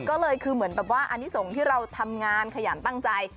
ก็เลยคือเหมือนแบบว่าอันนี้ส่งที่เราทำงานขยันตั้งใจ